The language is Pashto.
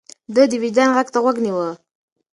ده د وجدان غږ ته غوږ نيوه.